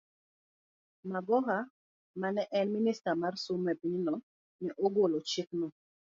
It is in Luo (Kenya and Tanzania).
Magoha, ma ne en Minista mar somo e pinyno, ne ogolo chikno.